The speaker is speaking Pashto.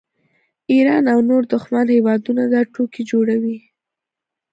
ایران او نور دښمن هیوادونه دا ټوکې جوړوي